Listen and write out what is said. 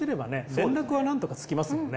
連絡はなんとかつきますもんね。